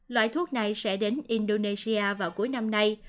loại thuốc này sẽ đến indonesia vào cuối năm nay